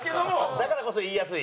だからこそ言いやすい？